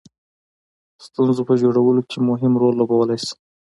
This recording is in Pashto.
ستونزو په جوړولو کې مهم رول لوبولای شي.